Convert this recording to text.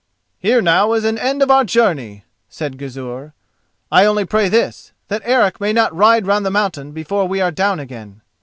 "Here now is an end of our journey," said Gizur, "and I only pray this, that Eric may not ride round the mountain before we are down again."